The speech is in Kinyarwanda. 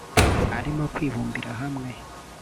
arimo kwibumbira hamwe